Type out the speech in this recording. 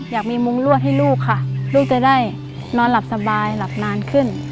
อยากมีมุ้งรวดให้ลูกค่ะลูกจะได้นอนหลับสบายหลับนานขึ้น